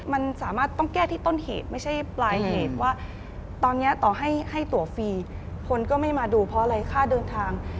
มันสามารถต้องแก้ที่ต้นเหตุไม่ใช่ปลายเหตุว่าตอนนี้ต่อให้ตัวฟรีคนก็ไม่มาดูเพราะอะไรค่าเดินทาง